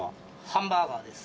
ハンバーガーです。